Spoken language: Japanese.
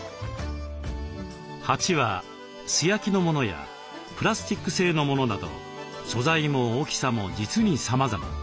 鉢は素焼きのものやプラスチック製のものなど素材も大きさも実にさまざま。